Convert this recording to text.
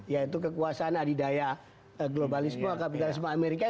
yaitu kekuasaan adidaya globalisme kapitalisme amerika